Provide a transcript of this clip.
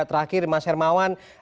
terakhir mas hermawan